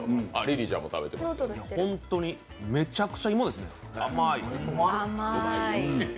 ホントにめちゃくちゃ芋ですね、甘い。